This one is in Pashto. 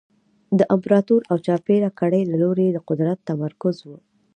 د امپراتور او چاپېره کړۍ له لوري د قدرت تمرکز و